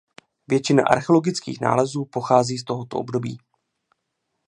Většina archeologických nálezu pochází z tohoto období.